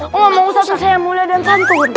ngomong satu sayang mulia dan santun